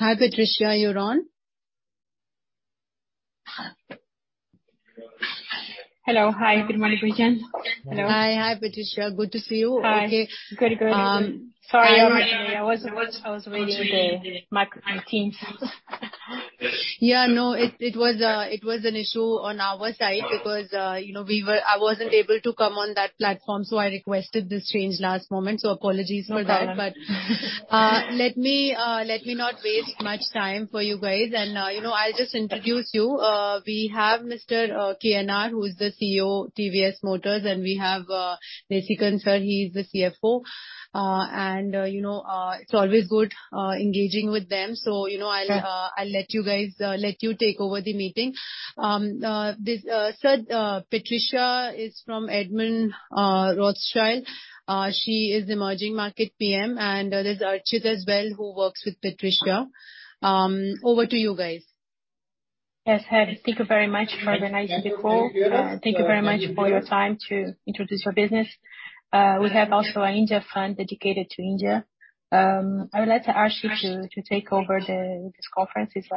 Hi, Patricia. You're on. Hello. Hi, good morning, everyone. Hello. Hi. Hi, Patricia. Good to see you. Hi. Okay. Good, good. sorry I'm late. I was waiting on the mic on Teams. No, it was an issue on our side because, you know, I wasn't able to come on that platform, so I requested this change last moment, so apologies for that. No worry. Let me, let me not waste much time for you guys. You know, I'll just introduce you. We have Mr., KNR, who is the CEO TVS Motors, and we have, Nesicken, sir, he's the CFO. You know, it's always good, engaging with them. You know, I'll let you guys, let you take over the meeting. This, sir, Patricia is from Edmond de Rothschild. She is Emerging Market PM, and there's Archit as well, who works with Patricia. Over to you guys. Yes. Thank you very much for organizing the call. Thank you very much for your time to introduce your business. We have also an India fund dedicated to India. I would like to ask you to take over this conference. It's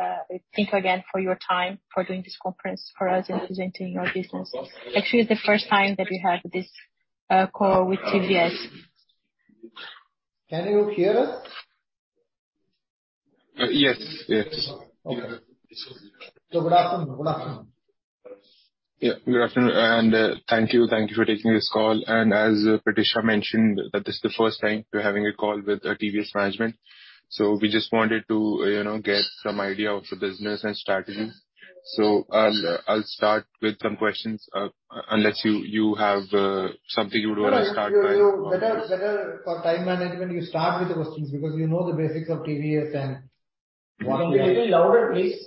thank you again for your time for doing this conference for us and presenting your business. Actually, it's the first time that we have this call with TVS. Can you hear us? Yes. Good afternoon. Good afternoon. Yeah, good afternoon, and thank you for taking this call. As Patricia mentioned that this is the first time we're having a call with TVS management. We just wanted to, you know, get some idea of the business and strategies. I'll start with some questions, unless you have something you would wanna start by. No, you better for time management, you start with the questions because you know the basics of TVS and what we do. Little louder, please.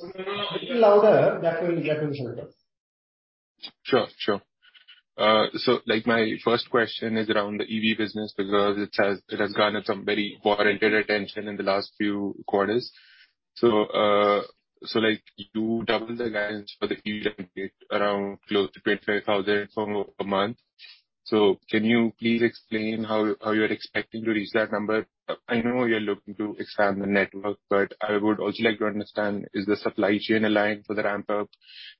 Little louder. That will sort out. Sure. Sure. Like my first question is around the EV business because it has garnered some very warranted attention in the last few quarters. Like you doubled the guidance for the EV around close to 25,000 from a month. Can you please explain how you're expecting to reach that number? I know you're looking to expand the network, I would also like to understand, is the supply chain aligned for the ramp up,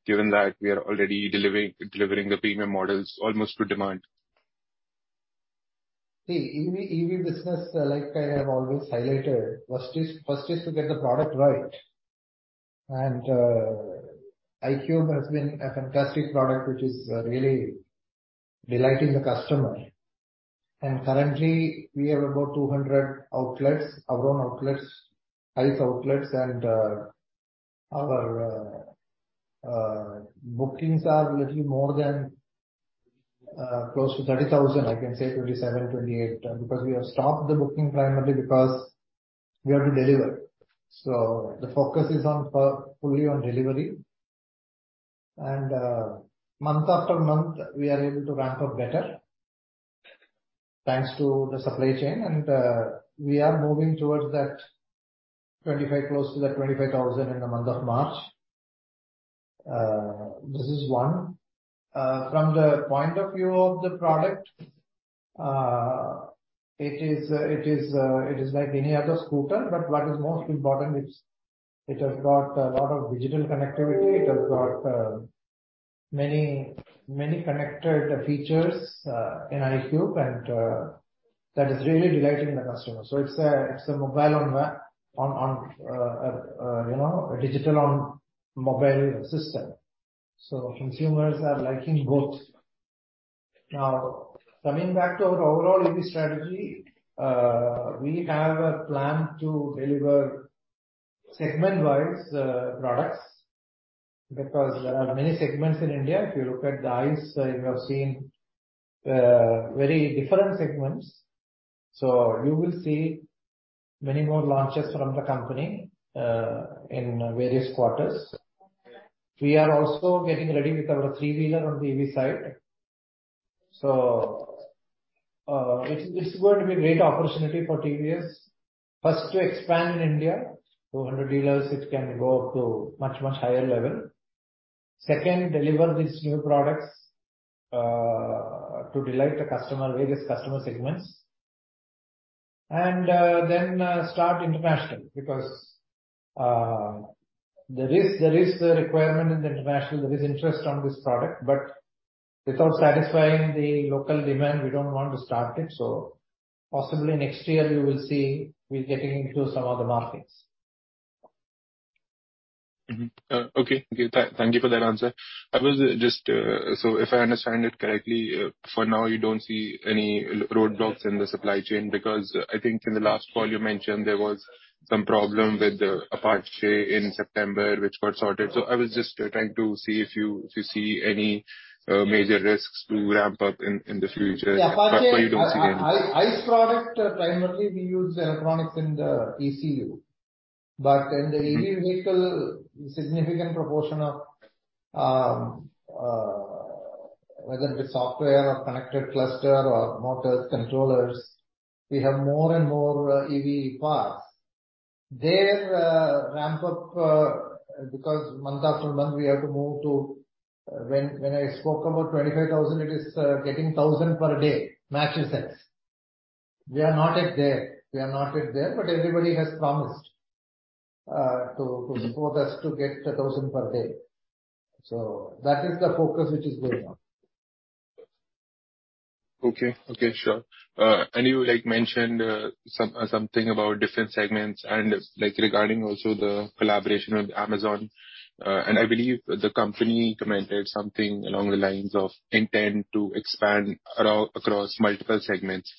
given that we are already delivering the premium models almost to demand? The EV business, like I have always highlighted, first is to get the product right. iQube has been a fantastic product which is really delighting the customer. Currently we have about 200 outlets, our own outlets, ICE outlets, our bookings are little more than close to 30,000, I can say 27, 28. Because we have stopped the booking primarily because we have to deliver. The focus is on for fully on delivery. Month after month, we are able to ramp up better, thanks to the supply chain. We are moving towards that 25, close to that 25,000 in the month of March. This is one. From the point of view of the product, it is like any other scooter, but what is most important is it has got a lot of digital connectivity. It has got many, many connected features in iQube and that is really delighting the customer. It's a, it's a mobile on, you know, digital on mobile system, so consumers are liking both. Coming back to our overall EV strategy, we have a plan to deliver segment-wise products because there are many segments in India. If you look at the ICE, you have seen very different segments. You will see many more launches from the company in various quarters. We are also getting ready with our three-wheeler on the EV side. It's just going to be great opportunity for TVS, first, to expand in India to 100 dealers, which can go to much, much higher level. Second, deliver these new products, to delight the customer, various customer segments. Then, start international because, there is a requirement in the international, there is interest on this product, but without satisfying the local demand, we don't want to start it. Possibly next year you will see we're getting into some other markets. Okay. Thank you for that answer. I was just, so if I understand it correctly, for now you don't see any roadblocks in the supply chain because I think in the last call you mentioned there was some problem with the Apache in September which got sorted. I was just trying to see if you see any major risks to ramp up in the future. Yeah, Apache- You don't see any. ICE product, primarily we use electronics in the ECU. In the EV vehicle, significant proportion of, whether it be software or connected cluster or motors, controllers, we have more and more EV parts. There, Ramp up, because month after month we have to move to... When I spoke about 25,000, it is getting 1,000 per day matches sets. We are not yet there, but everybody has promised to support us to get a 1,000 per day. That is the focus which is going on. Okay. Okay, sure. You, like, mentioned something about different segments and, like, regarding also the collaboration with Amazon. I believe the company commented something along the lines of intent to expand across multiple segments.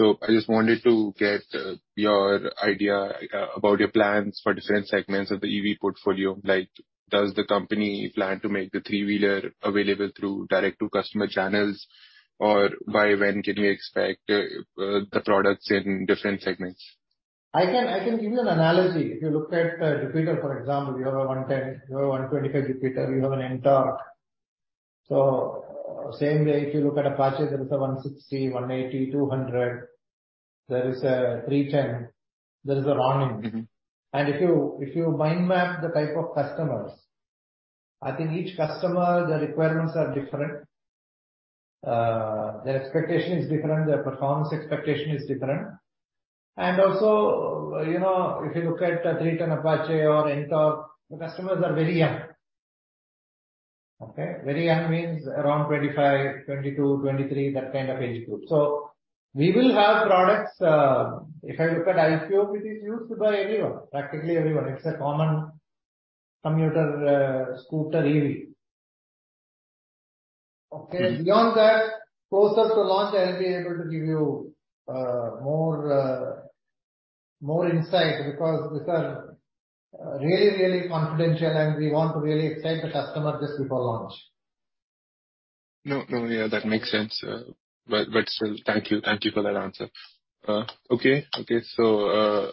I just wanted to get your idea about your plans for different segments of the EV portfolio. Like, does the company plan to make the three-wheeler available through direct to customer channels? Or by when can we expect the products in different segments? I can give you an analogy. If you look at Jupiter, for example, you have a 110, you have a 125 Jupiter, you have an Ntorq. Same way if you look at Apache, there is a 160, 180, 200, there is a 310, there is a Ronin. Mm-hmm. If you mind map the type of customers, I think each customer, their requirements are different. Their expectation is different, their performance expectation is different. Also, you know, if you look at the 310 Apache or Ntorq, the customers are very young. Okay? Very young means around 25, 22, 23, that kind of age group. We will have products, if I look at iQube, it is used by everyone, practically everyone. It's a common commuter, scooter EV. Okay. Beyond that, closer to launch I'll be able to give you more, more insight because these are really, really confidential and we want to really excite the customer just before launch. No, no. Yeah, that makes sense. Still thank you for that answer. Okay. Okay.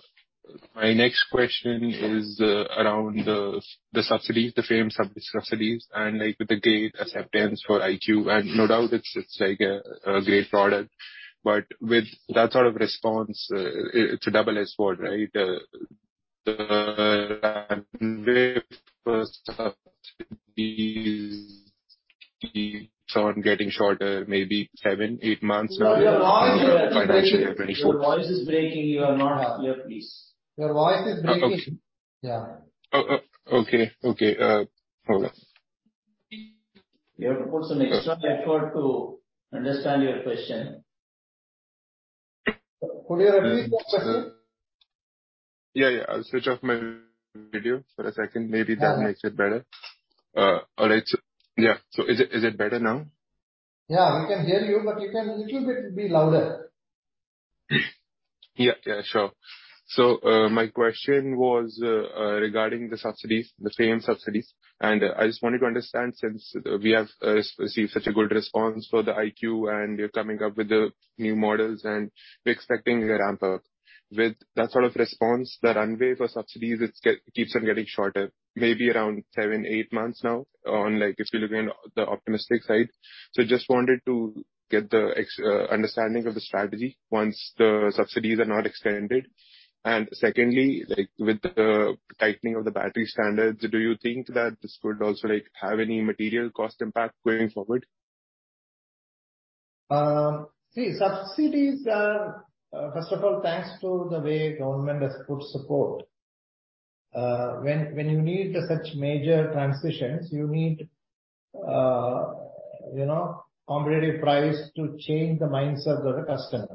My next question is around the subsidy, the FAME subsidies, and, like, with the great acceptance for iQube, and no doubt it's, like, a great product, but with that sort of response, it's a double-edged sword, right? The runway for subsidies keeps on getting shorter, maybe seven, eight months now. Your voice is breaking. financially in 2024. Your voice is breaking. You are not happier, please. Your voice is breaking. Oh, okay. Yeah. Oh, okay. Okay. Hold on. We have to put some extra effort to understand your question. Could you repeat the question? Yeah, yeah. I'll switch off my video for a second. Yeah. Maybe that makes it better. all right. yeah. Is it better now? Yeah. We can hear you, but you can a little bit be louder. Yeah, yeah, sure. My question was regarding the subsidies, the FAME subsidies. I just wanted to understand, since we have received such a good response for the iQube and you're coming up with the new models and we're expecting a ramp up. With that sort of response, the runway for subsidies, it keeps on getting shorter, maybe around seven, eight months now on, if you're looking at the optimistic side. Just wanted to get the understanding of the strategy once the subsidies are not extended. Secondly, with the tightening of the battery standards, do you think that this could also have any material cost impact going forward? See, subsidies are, first of all, thanks to the way government has put support. When you need such major transitions, you need, you know, competitive price to change the mindset of the customer.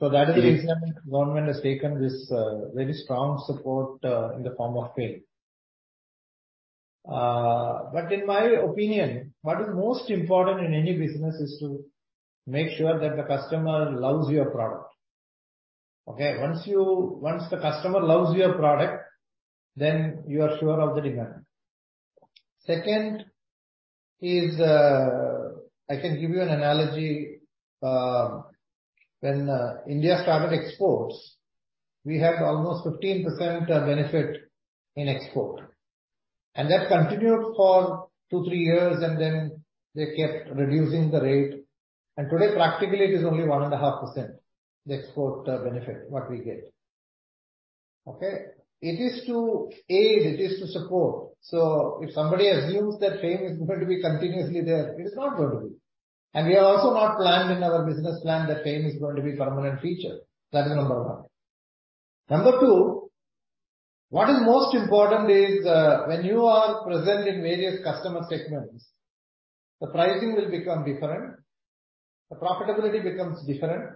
Mm-hmm. That is the reason government has taken this very strong support in the form of FAME. In my opinion, what is most important in any business is to make sure that the customer loves your product. Okay? Once the customer loves your product, then you are sure of the demand. Second is, I can give you an analogy. When India started exports, we had almost 15% benefit in export. That continued for two, three years, and then they kept reducing the rate. Today, practically it is only 1.5%, the export benefit, what we get. Okay? It is to aid, it is to support. If somebody assumes that FAME is going to be continuously there, it is not going to be. We have also not planned in our business plan that FAME is going to be a permanent feature. That is number one. Number two, what is most important is, when you are present in various customer segments, the pricing will become different, the profitability becomes different.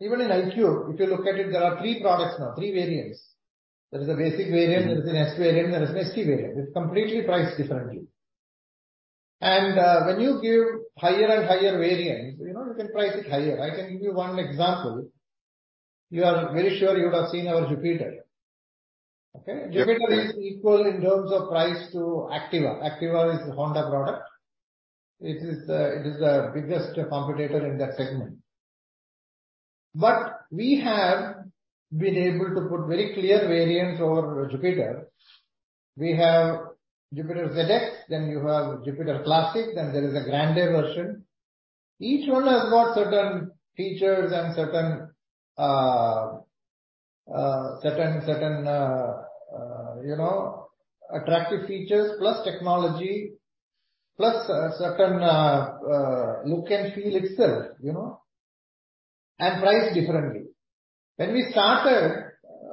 Even in iQube, if you look at it, there are three products now, three variants. There is a basic variant, there is an iQube S, there is an iQube ST. It's completely priced differently. When you give higher and higher variants, you know, you can price it higher. I can give you one example. You are very sure you would have seen our Jupiter. Okay? Yeah. Jupiter is equal in terms of price to Activa. Activa is a Honda product. It is the biggest competitor in that segment. We have been able to put very clear variants over Jupiter. We have Jupiter ZX, then you have Jupiter Classic, then there is a Grande version. Each one has got certain features and certain, you know, attractive features, plus technology, plus a certain look and feel itself, you know, and priced differently. When we started,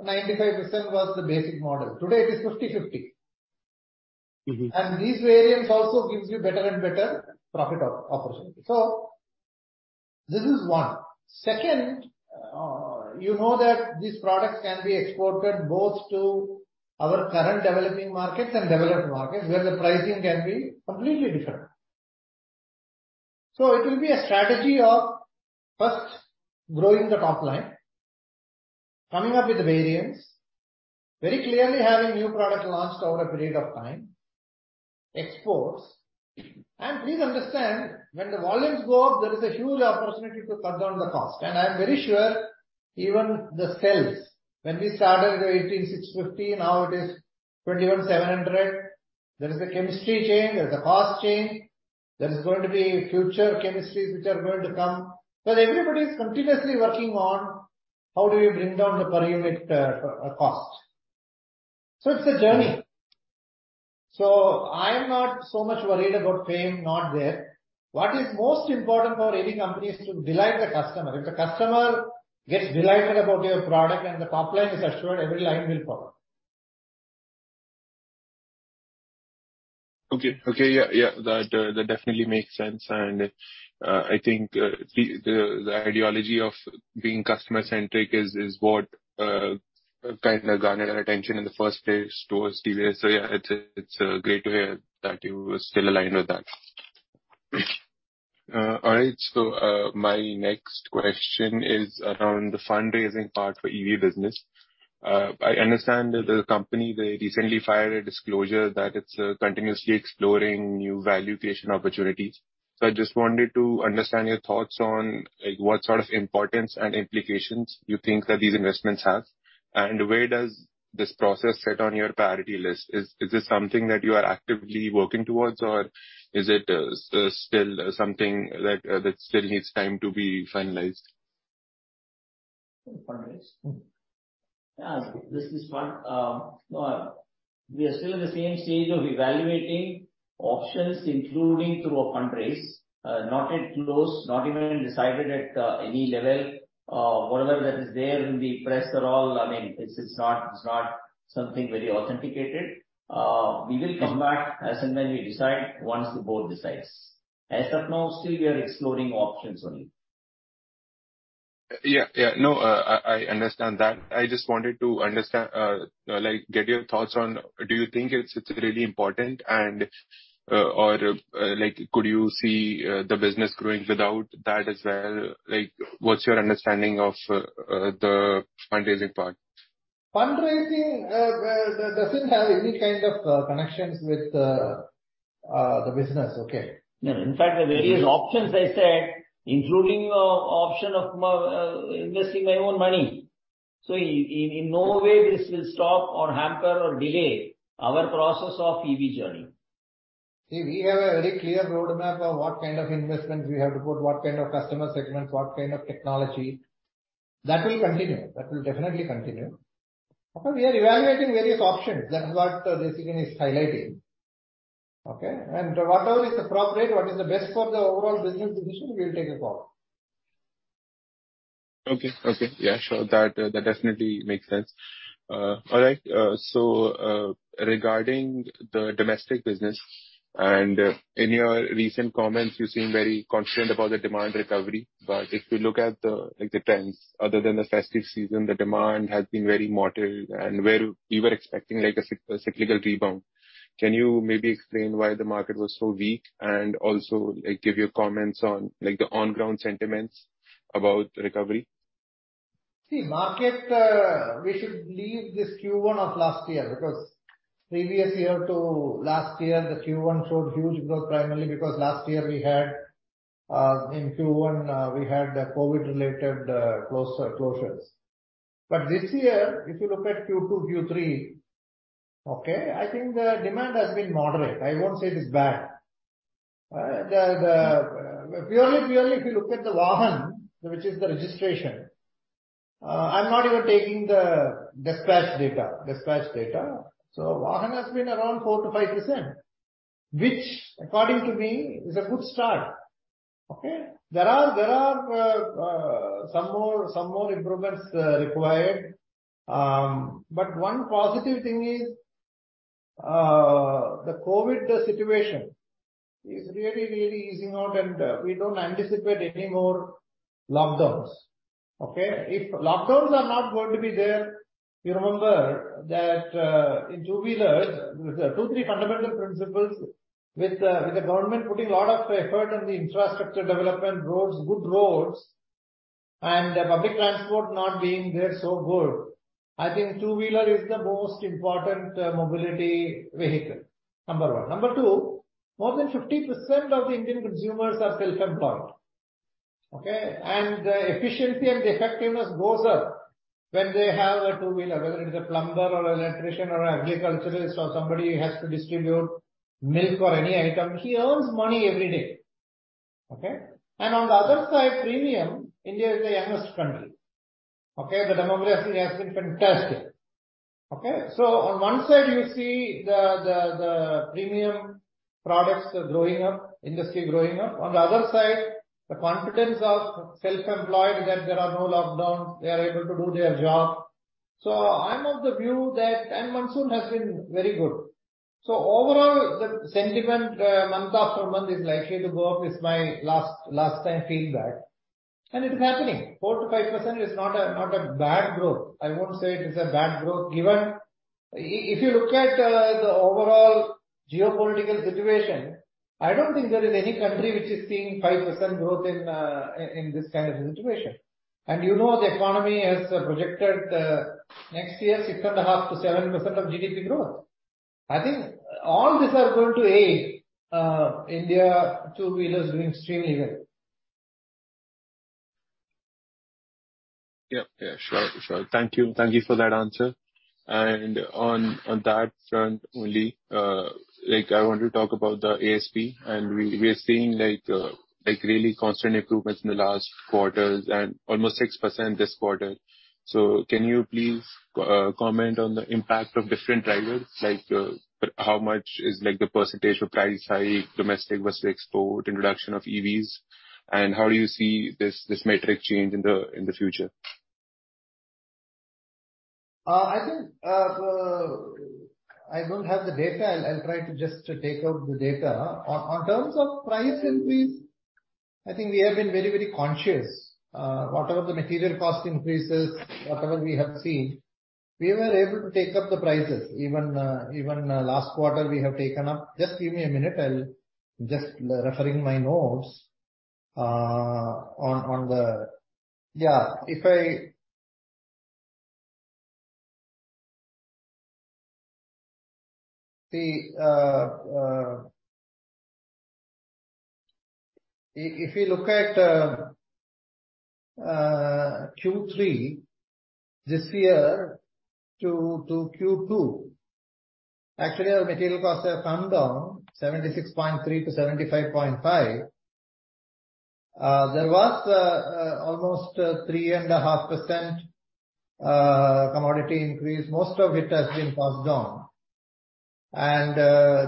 95% was the basic model. Today it is 50/50. Mm-hmm. These variants also gives you better and better profit opportunity. This is one. Second, you know that these products can be exported both to our current developing markets and developed markets, where the pricing can be completely different. It will be a strategy of first growing the top line, coming up with the variants, very clearly having new product launched over a period of time, exports. Please understand, when the volumes go up, there is a huge opportunity to cut down the cost. I'm very sure even the scales, when we started, you know, 18650, now it is 21700. There is a chemistry change, there's a cost change. There is going to be future chemistries which are going to come. Everybody's continuously working on how do you bring down the per unit cost. It's a journey. I am not so much worried about paying, not there. What is most important for any company is to delight the customer. If the customer gets delighted about your product and the top line is assured, every line will follow. Okay. Okay. Yeah, yeah. That definitely makes sense. I think the ideology of being customer centric is what kind of garnered our attention in the first place towards TVS. Yeah, it's great to hear that you are still aligned with that. All right, my next question is around the fundraising part for EV business. I understand that the company, they recently filed a disclosure that it's continuously exploring new value creation opportunities. I just wanted to understand your thoughts on, like, what sort of importance and implications you think that these investments have. Where does this process sit on your priority list? Is this something that you are actively working towards, or is it still something that still needs time to be finalized? Fundraise? Mm-hmm. Yeah. This is one. We are still in the same stage of evaluating options, including through a fundraise. Not yet closed, not even decided at any level. Whatever that is there in the press, I mean, it's not something very authenticated. We will come back as and when we decide, once the board decides. As of now, still we are exploring options only. Yeah. No, I understand that. I just wanted to understand, like get your thoughts on do you think it's really important or, like, could you see the business growing without that as well? Like, what's your understanding of the fundraising part? Fundraising doesn't have any kind of connections with the business. Okay? In fact, the various options I said, including option of investing my own money. In no way this will stop or hamper or delay our process of EV journey. We have a very clear roadmap of what kind of investments we have to put, what kind of customer segments, what kind of technology. That will continue. That will definitely continue. Okay? We are evaluating various options. That is what Jesigan is highlighting. Okay? Whatever is appropriate, what is the best for the overall business decision, we will take it forward. Okay. Okay. Yeah, sure. That definitely makes sense. All right, regarding the domestic business, in your recent comments you seem very confident about the demand recovery. If you look at the, like, the trends, other than the festive season, the demand has been very moderate. Where you were expecting, like, a cyclical rebound, can you maybe explain why the market was so weak and also, like, give your comments on, like, the on-ground sentiments about recovery? See, market, we should leave this Q1 of last year because previous year to last year, the Q1 showed huge growth primarily because last year we had in Q1, we had the COVID related closures. This year, if you look at Q2, Q3, I think the demand has been moderate. I won't say it is bad. Purely if you look at the Vahan, which is the registration, I'm not even taking the dispatch data. Vahan has been around 4%-5%, which according to me is a good start. There are some more improvements required. One positive thing is the COVID situation is really easing out and we don't anticipate any more lockdowns. If lockdowns are not going to be there, you remember that, in two-wheelers, there are two, three fundamental principles with the government putting a lot of effort in the infrastructure development roads, good roads, and public transport not being there so good, I think two-wheeler is the most important mobility vehicle, number one. Number two, more than 50% of the Indian consumers are self-employed. Okay. The efficiency and the effectiveness goes up when they have a two-wheeler, whether it is a plumber or an electrician or agriculturalist or somebody has to distribute milk or any item, he earns money every day. Okay. On the other side, premium, India is the youngest country. Okay. The demography has been fantastic. Okay. On one side you see the premium products are growing up, industry growing up. On the other side, the confidence of self-employed that there are no lockdowns, they are able to do their job. I'm of the view that... Monsoon has been very good. Overall, the sentiment, month after month is likely to go up, is my last time feedback. It is happening. 4%-5% is not a bad growth. I won't say it is a bad growth, given if you look at the overall geopolitical situation, I don't think there is any country which is seeing 5% growth in this kind of situation. You know, the economy has projected next year 6.5%-7% of GDP growth. I think all these are going to aid India two-wheelers doing extremely well. Yeah, yeah. Sure, sure. Thank you. Thank you for that answer. On that front only, like, I want to talk about the ASP. We are seeing like really constant improvements in the last quarters and almost 6% this quarter. Can you please comment on the impact of different drivers? Like, how much is like the percentage of price hike, domestic versus export, introduction of EVs, and how do you see this metric change in the future? I think, I don't have the data. I'll try to just take out the data. On terms of price increase, I think we have been very, very conscious. Whatever the material cost increases, whatever we have seen, we were able to take up the prices. Even last quarter we have taken up. Just give me a minute. Just referring my notes. If you look at Q3 this year to Q2, actually our material costs have come down 76.3%-75.5%. There was almost 3.5% commodity increase. Most of it has been passed on.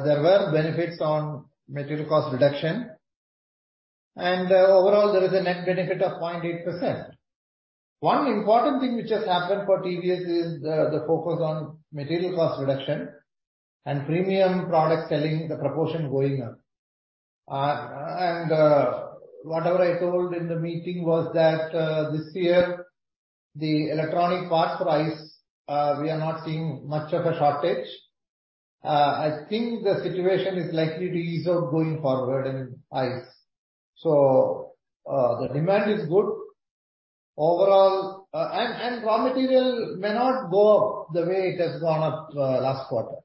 There were benefits on material cost reduction. Overall there is a net benefit of 0.8%. One important thing which has happened for TVS is the focus on material cost reduction and premium product selling, the proportion going up. Whatever I told in the meeting was that this year, the electronic parts price, we are not seeing much of a shortage. I think the situation is likely to ease out going forward in price. The demand is good overall. And raw material may not go up the way it has gone up last quarter.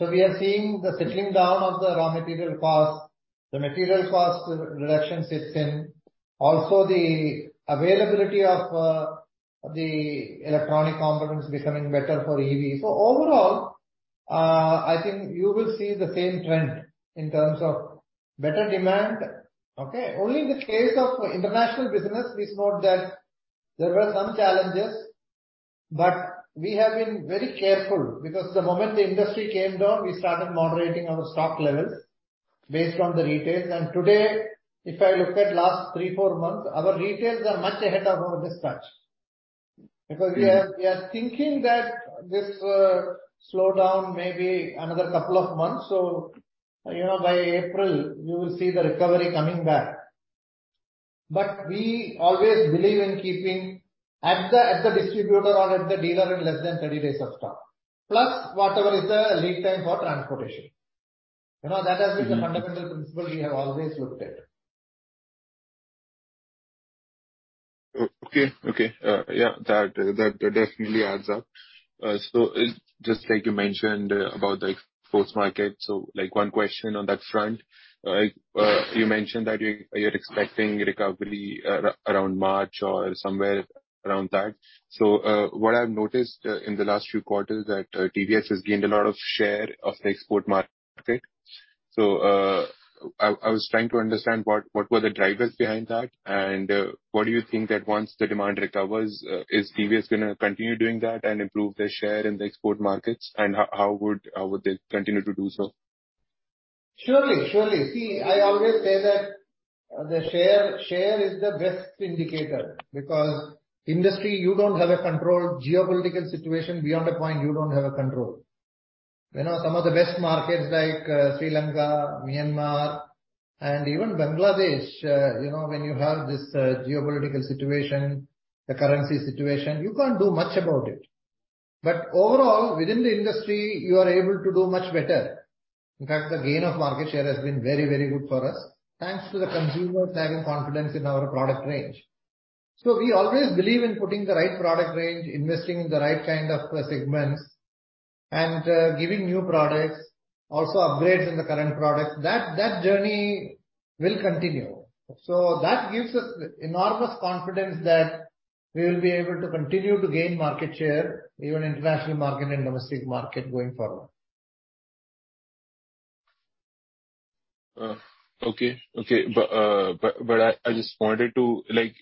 We are seeing the settling down of the raw material costs, the material cost reduction kick in, also the availability of the electronic components becoming better for EV. Overall, I think you will see the same trend in terms of better demand. Okay? Only in the case of international business, we saw that there were some challenges, we have been very careful because the moment the industry came down, we started moderating our stock levels based on the retails. Today, if I look at last three, four months, our retails are much ahead of our dispatch. We are thinking that this slowdown may be another couple of months. You know, by April you will see the recovery coming back. We always believe in keeping at the, at the distributor or at the dealer in less than 30 days of stock, plus whatever is the lead time for transportation. You know, that has been the fundamental principle we have always looked at. Okay, okay. Yeah, that definitely adds up. Just like you mentioned about the export market, so, like, one question on that front. You mentioned that you're expecting recovery around March or somewhere around that. What I've noticed in the last few quarters that TVS has gained a lot of share of the export market. I was trying to understand what were the drivers behind that and what do you think that once the demand recovers, is TVS gonna continue doing that and improve their share in the export markets? How would, how would they continue to do so? Surely. See, I always say that the share is the best indicator because industry you don't have a control, geopolitical situation beyond a point you don't have a control. You know, some of the best markets like Sri Lanka, Myanmar and even Bangladesh, you know, when you have this geopolitical situation, the currency situation, you can't do much about it. Overall, within the industry, you are able to do much better. In fact, the gain of market share has been very, very good for us, thanks to the consumers having confidence in our product range. We always believe in putting the right product range, investing in the right kind of segments and giving new products, also upgrades in the current products. That journey will continue. That gives us enormous confidence that we will be able to continue to gain market share, even international market and domestic market going forward. Okay. Okay. I just wanted to like...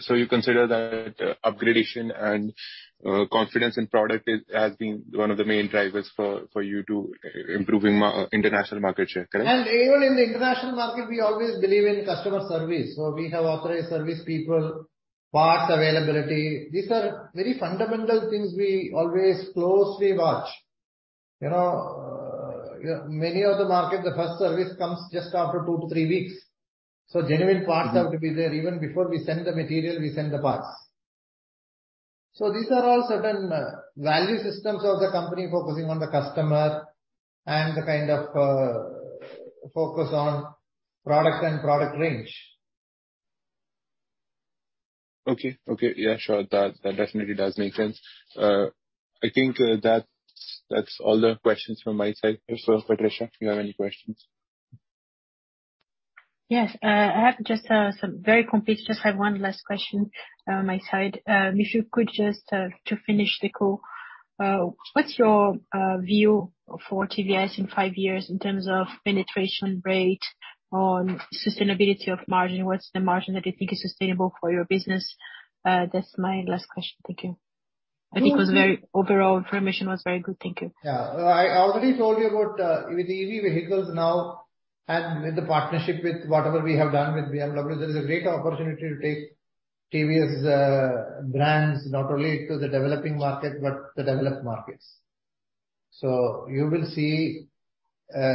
So you consider that upgradation and confidence in product is, has been one of the main drivers for you to improving international market share, correct? Even in the international market, we always believe in customer service. We have authorized service people, parts availability. These are very fundamental things we always closely watch. You know, you know, many of the market, the first service comes just after 2-3 weeks. Genuine parts- Mm-hmm. -have to be there. Even before we send the material, we send the parts. These are all certain value systems of the company focusing on the customer and the kind of, focus on products and product range. Okay. Yeah, sure. That definitely does make sense. I think, that's all the questions from my side. Patricia, if you have any questions? Yes. I have just, some very complete, just have one last question, my side. If you could just, to finish the call, what's your, view for TVS in five years in terms of penetration rate on sustainability of margin? What's the margin that you think is sustainable for your business? That's my last question. Thank you. Mm-hmm. Overall information was very good. Thank you. Yeah. I already told you about with EV vehicles now and with the partnership with whatever we have done with BMW, there is a great opportunity to take TVS brands not only to the developing market, but the developed markets. You will see a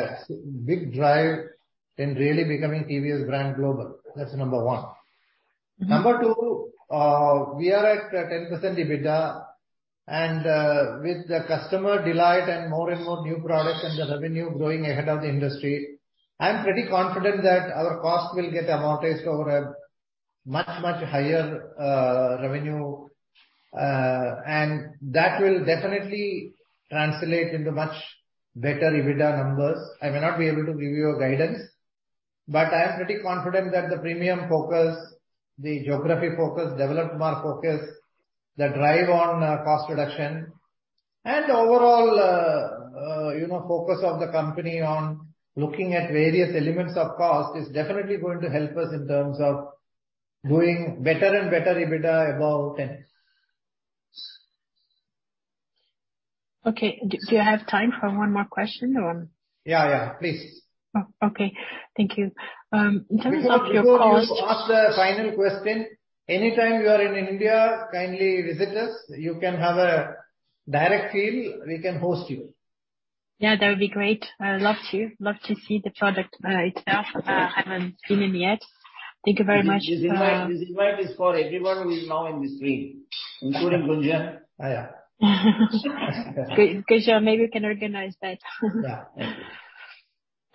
big drive in really becoming TVS brand global. That's number one. Mm-hmm. Number two, we are at 10% EBITDA and, with the customer delight and more and more new products and the revenue growing ahead of the industry, I'm pretty confident that our cost will get amortized over a much, much higher revenue. That will definitely translate into much better EBITDA numbers. I may not be able to give you a guidance, I am pretty confident that the premium focus, the geography focus, development mar focus, the drive on cost reduction and overall, you know, focus of the company on looking at various elements of cost is definitely going to help us in terms of doing better and better EBITDA above 10. Okay. Do you have time for one more question or...? Yeah, yeah, please. Oh, okay. Thank you. In terms of your cost. Before you ask the final question, anytime you are in India, kindly visit us. You can have a direct feel, we can host you. Yeah, that would be great. I'd love to. Love to see the product itself. Yeah. I haven't been in yet. Thank you very much. This invite is for everyone who is now in this screen, including Gunja. Yeah. Gunja, maybe you can organize that. Yeah.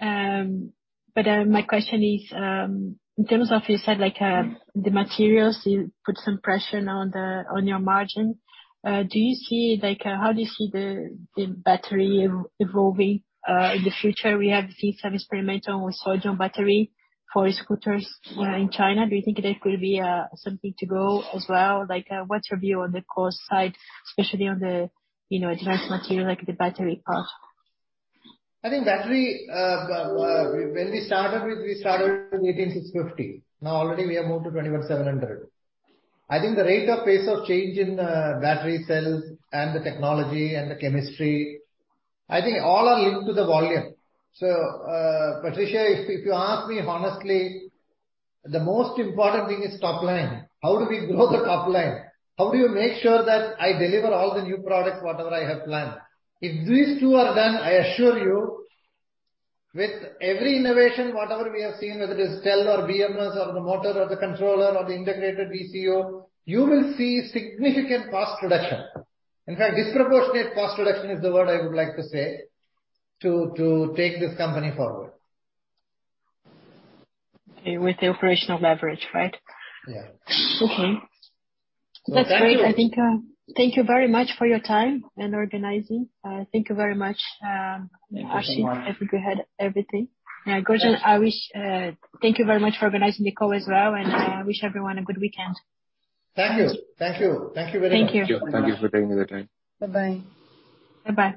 Thank you. My question is, in terms of you said like, the materials, you put some pressure on the, on your margin. Do you see like, how do you see the battery e-evolving, in the future? We have seen some experimental with solid-state battery for scooters, in China. Do you think that could be, something to go as well? Like, what's your view on the cost side, especially on the, you know, advanced material like the battery part? I think battery, when we started with, we started with 18650, now already we have moved to 21700. I think the rate of pace of change in battery cells and the technology and the chemistry, I think all are linked to the volume. Patricia, if you ask me honestly, the most important thing is top line. How do we grow the top line? How do you make sure that I deliver all the new products, whatever I have planned? If these two are done, I assure you with every innovation, whatever we have seen, whether it is cell or BMS or the motor or the controller or the integrated VCU, you will see significant cost reduction. In fact, disproportionate cost reduction is the word I would like to say to take this company forward. Okay. With the operational leverage, right? Yeah. Okay. Thank you. That's great. I think, Thank you very much for your time and organizing. Thank you very much. Thank you so much. Ashish, I think you had everything. Yeah. Gunja, I wish, thank you very much for organizing the call as well. Wish everyone a good weekend. Thank you. Thank you. Thank you very much. Thank you. Thank you for taking the time. Bye-bye. Bye-bye.